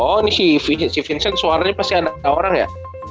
oh ini si vincent suaranya pasti ada orang ya